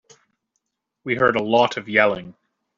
We heard a lot of yelling.